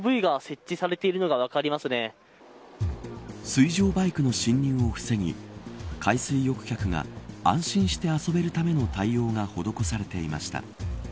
水上バイクの侵入を防ぎ海水浴客が安心して遊べるための対応が施されていました。